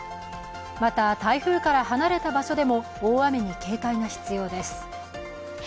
また台風から離れた場所でも大雨に警戒が必要です。